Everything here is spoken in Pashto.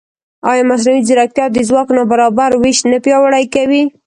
ایا مصنوعي ځیرکتیا د ځواک نابرابر وېش نه پیاوړی کوي؟